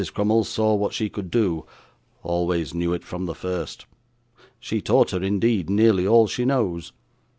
Crummles saw what she could do always knew it from the first. She taught her, indeed, nearly all she knows.